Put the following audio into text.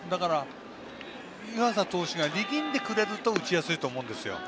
湯浅投手が力んでくれると打ちやすいと思うんです。